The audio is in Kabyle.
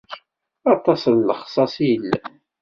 Aṭas n lexsas i yellan.